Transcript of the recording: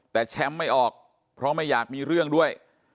แต่แชมป์ไม่ออกเพราะไม่อยากมีเรื่องด้วย